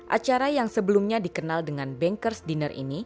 acara yang sebelumnya dikenal dengan bankers dinner ini